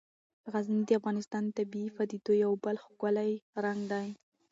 غزني د افغانستان د طبیعي پدیدو یو بل ښکلی رنګ دی.